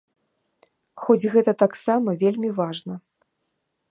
Хоць гэта таксама вельмі важна.